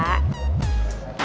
pasti bisa lah kak